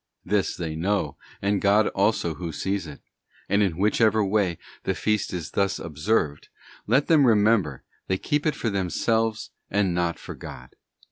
This they know, and God also Who sees it; and in whichever way the feast is thus observed, let them remember, they keep it for themselves and not for God.